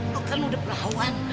lu kan udah perawan